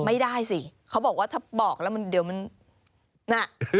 ไม่ได้สิเขาบอกว่าถ้าบอกแล้วมันเดี๋ยวมันน่ะ